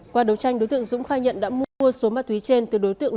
qua đấu tranh đối tượng dũng khai nhận đã mua số ma túy trên từ đối tượng